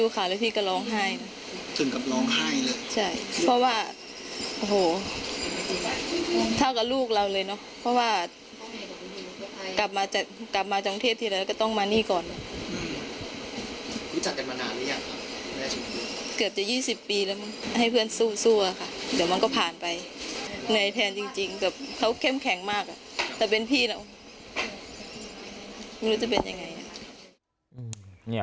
คุณรู้จะเป็นยังไง